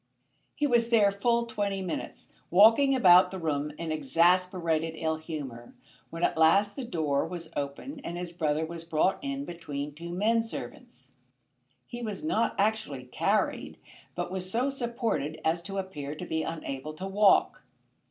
He was there full twenty minutes, walking about the room in exasperated ill humour, when at last the door was opened and his brother was brought in between two men servants. He was not actually carried, but was so supported as to appear to be unable to walk.